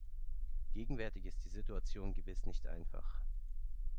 Gegenwärtig ist die Situation gewiss nicht einfach.